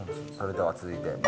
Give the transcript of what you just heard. それでは続いて。